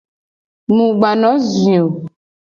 Mu gba no zui wo o.